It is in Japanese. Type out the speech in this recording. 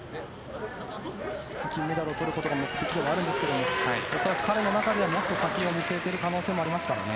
金メダルをとることが目的ではあるんですが恐らく、彼の中ではもっと先を見据えている可能性もありますからね。